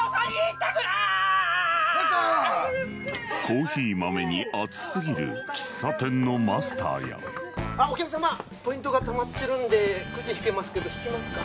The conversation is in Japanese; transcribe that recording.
コーヒー豆に熱過ぎる喫茶店のマスターやあっお客様ポイントがたまってるんでくじ引けますけど引きますか？